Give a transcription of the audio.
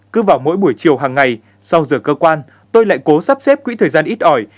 cứ vào mỗi buổi chiều hàng ngày sau giờ cơ quan tôi lại cố sắp xếp quỹ thời gian ít ỏi